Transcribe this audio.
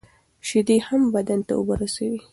شیدې هم بدن ته اوبه رسوي.